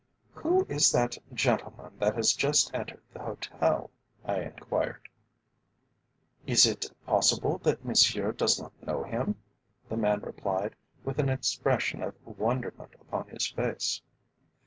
"Who is that gentleman that has just entered the hotel?" I enquired. "Is it possible that Monsieur does not know him?" the man replied, with an expression of wonderment upon his face.